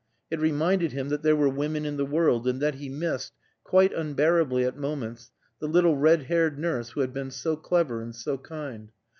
It reminded him that there were women in the world and that he missed, quite unbearably at moments, the little red haired nurse who had been so clever and so kind.